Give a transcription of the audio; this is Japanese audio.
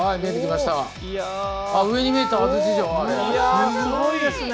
すごいですね！